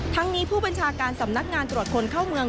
ทั้งนี้ผู้บัญชาการสำนักงานตรวจคนเข้าเมือง